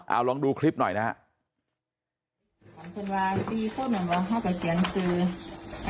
เอาลองดูคลิปหน่อยนะฮะ